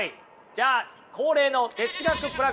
じゃあ恒例の哲学プラクティス。